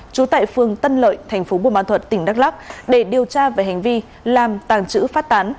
trú tại phường tân lợi thành phố bùa ma thuật tỉnh đắk lắc để điều tra về hành vi làm tàng trữ phát tán